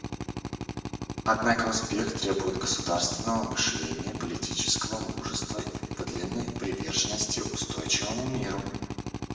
Однако успех требует государственного мышления и политического мужества и подлинной приверженности устойчивому миру.